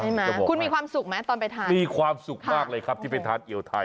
มาคุณมีความสุขไหมตอนไปทานมีความสุขมากเลยครับที่ไปทานเอี่ยวไทย